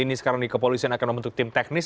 ini sekarang di kepolisian akan membentuk tim teknis